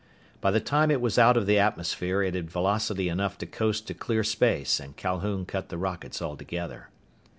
By the time it was out of atmosphere it had velocity enough to coast to clear space and Calhoun cut the rockets altogether.